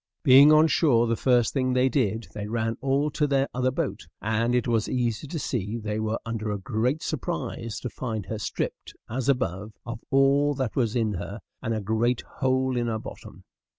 Being on shore, the first thing they did, they ran all to their other boat; and it was easy to see they were under a great surprise to find her stripped, as above, of all that was in her, and a great hole in her bottom.